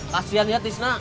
kasian ya tisna